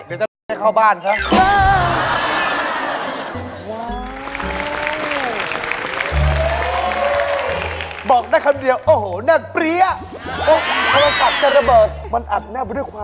เดี๋ยวจะเรียกให้เข้าบ้านค่ะ